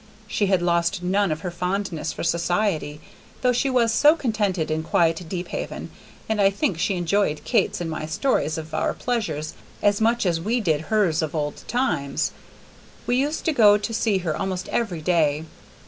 She had lost none of her fondness for society, though she was so contented in quiet Deephaven, and I think she enjoyed Kate's and my stories of our pleasures as much as we did hers of old times. We used to go to see her almost every day.